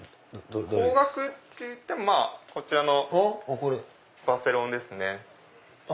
高額っていってもこちらのヴァシュロンですね。